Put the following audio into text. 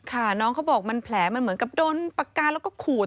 ค่ะน้องเขาบอกมันแผลมันเหมือนกับโดนปากกาแล้วก็ขูด